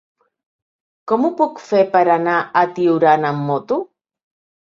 Com ho puc fer per anar a Tiurana amb moto?